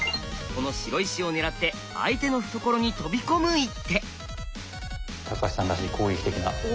この白石を狙って相手の懐に飛び込む一手。